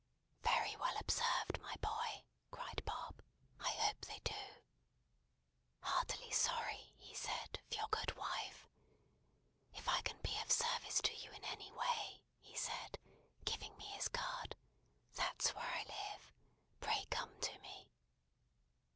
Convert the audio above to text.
"Very well observed, my boy!" cried Bob. "I hope they do. 'Heartily sorry,' he said, 'for your good wife. If I can be of service to you in any way,' he said, giving me his card, 'that's where I live. Pray come to me.'